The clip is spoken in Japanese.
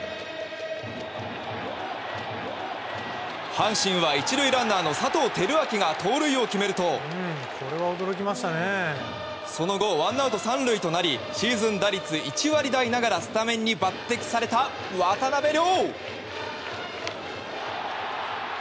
阪神は１塁ランナーの佐藤輝明が盗塁を決めるとその後、ワンアウト３塁となりシーズン打率１割台ながらスタメンに抜擢された渡邉諒！